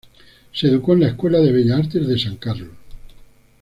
Se educó en la Escuela de Bellas Artes de San Carlos.